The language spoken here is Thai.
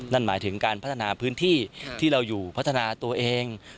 นั่นหมายถึงการพัฒนาพื้นที่ที่เราอยู่พัฒนาตัวเอง